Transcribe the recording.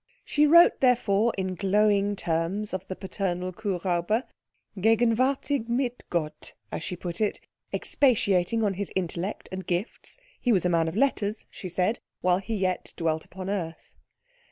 She wrote therefore in glowing terms of the paternal Kuhräuber, "gegenwärtig mit Gott," as she put it, expatiating on his intellect and gifts (he was a man of letters, she said), while he yet dwelt upon earth.